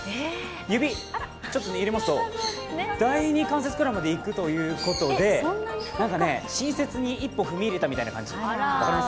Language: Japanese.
指、入れますと、第２関節くらいまでいくということでなんか新雪に一歩踏み入れた感じ、分かります？